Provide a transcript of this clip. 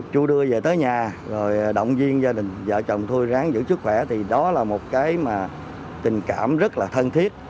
chú đưa về tới nhà rồi động viên gia đình vợ chồng thôi ráng giữ sức khỏe thì đó là một cái mà tình cảm rất là thân thiết